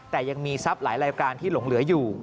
แต่ยังมีทรัพย์หลายรายการที่หลงเหลืออยู่